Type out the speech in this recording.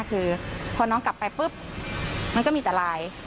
คือพอน้องกลับไปปุ๊บมันก็มีแต่ลาย